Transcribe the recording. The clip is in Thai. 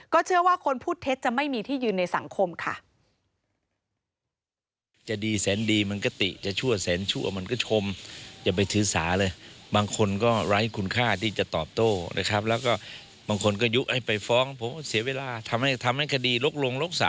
เชื่อว่าคนพูดเท็จจะไม่มีที่ยืนในสังคมค่ะ